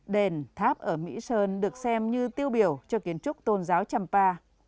đền tháp ở mỹ sơn được xem như tiêu biểu cho kiến trúc tôn giáo champa